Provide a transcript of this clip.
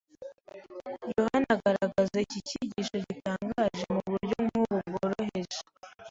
Yohana agaragaza iki cyigisho gitangaje mu buryo nk’ubu bworoheje